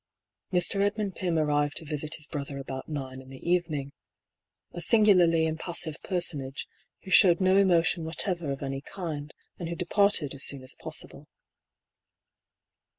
Mr. Edmund Pym arrived to visit his brother about nine in the evening : a singularly impassive personage, who showed no emotion whatever of any kind, and who departed as soon as possible.